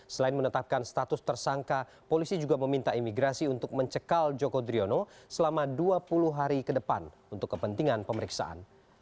selain menetapkan status tersangka polisi juga meminta imigrasi untuk mencekal joko driono selama dua puluh hari ke depan untuk kepentingan pemeriksaan